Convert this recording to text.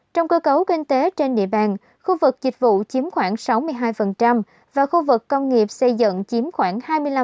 trong cơ cấu kinh tế trên địa bàn khu vực dịch vụ chiếm khoảng sáu mươi hai và khu vực công nghiệp xây dựng chiếm khoảng hai mươi năm